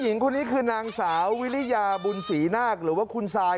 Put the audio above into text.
หญิงคนนี้คือนางสาววิริยาบุญศรีนาคหรือว่าคุณซาย